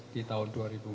di tahun dua ribu empat